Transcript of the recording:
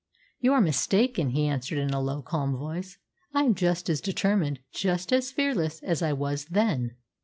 "You are mistaken," he answered in a low calm voice. "I am just as determined just as fearless as I was then."